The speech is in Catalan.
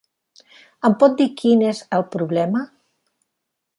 Em pot dir quin és el problema?